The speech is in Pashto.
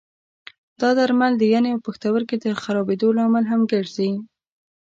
دا درمل د ینې او پښتورګي د خرابېدو لامل هم ګرځي.